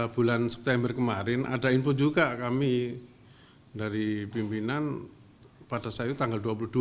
bulan september kemarin ada info juga kami dari pimpinan pada saat itu tanggal dua puluh dua